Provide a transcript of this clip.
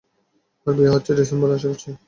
আর বিয়ে হচ্ছে ডিসেম্বরে আশা করছি।